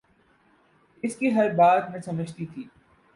اس کی ہر بات میں سمجھتی تھی